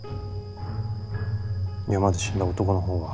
山で死んだ男の方は？